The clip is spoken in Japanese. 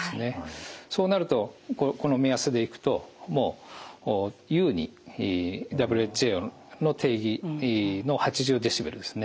そうなるとこの目安でいくとＷＨＯの定義の８０デシベルをですね